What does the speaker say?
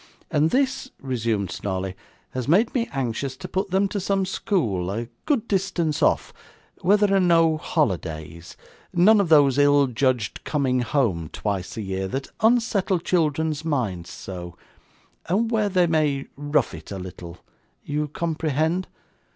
'And this,' resumed Snawley, 'has made me anxious to put them to some school a good distance off, where there are no holidays none of those ill judged coming home twice a year that unsettle children's minds so and where they may rough it a little you comprehend?